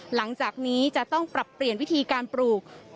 หลังจากนี้จะต้องปรับเปลี่ยนวิธีการปลูก